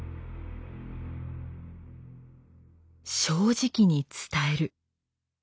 正直に伝える。